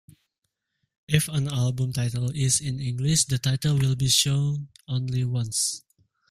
If an album title is in English, the title will be shown only once.